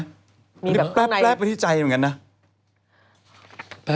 นี่แป๊บไปที่ใจเหมือนกันนะ